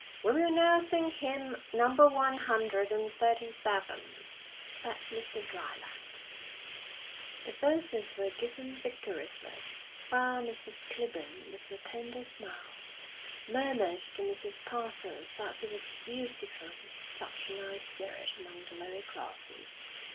"We will now sing hymn number one hundred and thirty seven," said Mr. Dryland. The verses were given vigorously, while Mrs. Clibborn, with a tender smile, murmured to Mrs. Parsons that it was beautiful to see such a nice spirit among the lower classes.